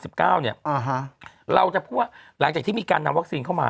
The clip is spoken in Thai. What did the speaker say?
อ่าฮะเราจะพูดว่าหลังจากที่มีการนำวัคซีนเข้ามา